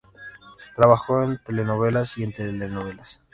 Trabajó en fotonovelas y en telenovelas.